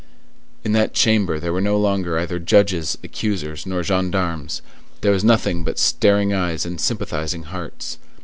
In that chamber there were no longer either judges, accusers, nor gendarmes; there was nothing but staring eyes and sympathizing hearts.